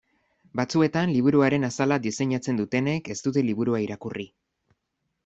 Batzuetan liburuaren azala diseinatzen dutenek ez dute liburua irakurri.